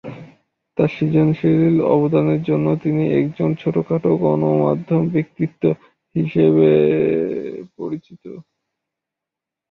তার সৃজনশীল অবদানের জন্য তিনি একজন "ছোটখাট গণমাধ্যম ব্যক্তিত্ব" হিসাবে পরিচিত।